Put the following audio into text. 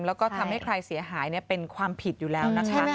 แล้วก็ทำให้ใครเสียหายเป็นความผิดอยู่แล้วนะคะ